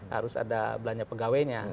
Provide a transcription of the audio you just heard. harus ada belanja pegawainya